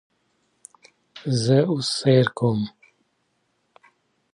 زه اوس سیر کوم،